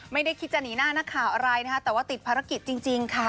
ไม่ได้คิดจะหนีหน้านักข่าวอะไรนะคะแต่ว่าติดภารกิจจริงค่ะ